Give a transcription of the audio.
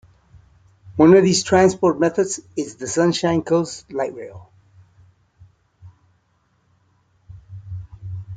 One of these transport methods is the Sunshine Coast Light Rail.